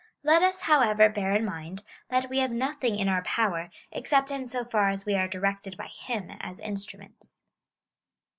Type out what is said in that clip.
Let us, however, bear in mind, that we have nothing in our power, except in so far as we are directed by him as instru ni^ts.